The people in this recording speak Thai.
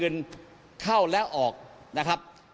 นะคะ